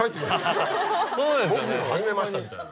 「木魚始めました」みたいな。